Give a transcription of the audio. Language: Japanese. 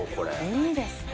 いいですね。